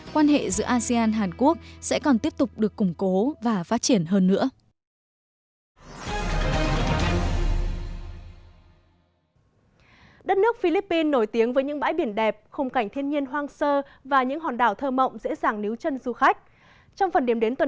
quan hệ giữa asean hàn quốc sẽ còn tiếp tục được củng cố và phát triển hơn nữa